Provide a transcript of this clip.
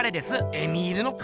エミールの彼？